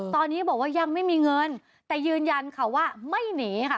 ตอนนี้บอกว่ายังไม่มีเงินแต่ยืนยันค่ะว่าไม่หนีค่ะ